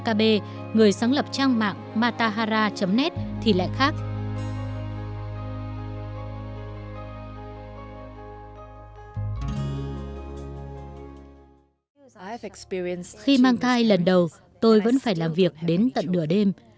khi mang thai lần đầu tôi vẫn phải làm việc đến tận nửa đêm